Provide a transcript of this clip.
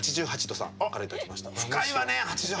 ８８°さんから、いただきました。